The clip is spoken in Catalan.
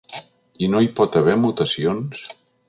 I no hi pot haver mutacions?